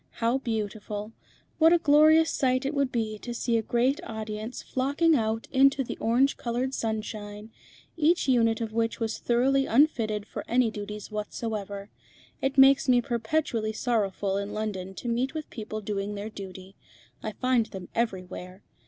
How beautiful! What a glorious sight it would be to see a great audience flocking out into the orange coloured sunshine, each unit of which was thoroughly unfitted for any duties whatsoever. It makes me perpetually sorrowful in London to meet with people doing their duty. I find them everywhere.